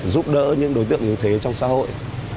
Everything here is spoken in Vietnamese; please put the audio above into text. giúp đỡ những đối tượng yếu thế trong xã hội